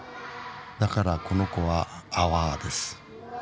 だからこの子はアワーです。